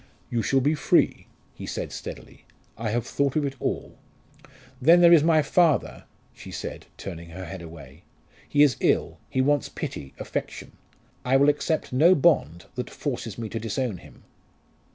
"You shall be free," he said steadily. "I have thought of it all." "Then there is my father," she said, turning her head away. "He is ill he wants pity, affection. I will accept no bond that forces me to disown him."